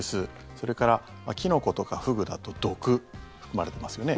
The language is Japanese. それからキノコとかフグだと毒、含まれてますよね。